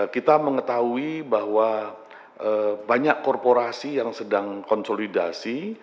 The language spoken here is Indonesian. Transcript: kita mengetahui bahwa banyak korporasi yang sedang konsolidasi